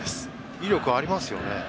威力がありますね。